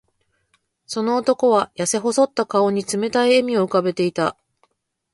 その男は、やせ細った顔に冷たい笑みを浮かべていた。